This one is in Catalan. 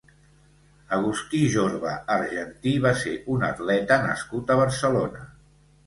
Agustí Jorba Argentí va ser un atleta nascut a Barcelona.